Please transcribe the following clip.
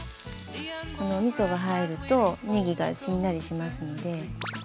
このみそが入るとねぎがしんなりしますので。